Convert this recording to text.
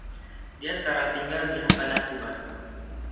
Dia sekarang tinggal di Havana, Cuba.